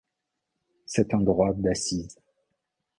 C'est un droit d'accise.